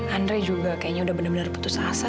andre juga kayaknya udah benar benar putus asa